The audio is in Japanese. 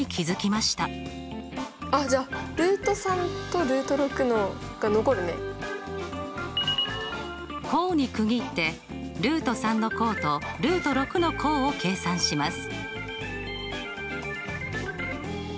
あっじゃ項に区切っての項との項を計算します。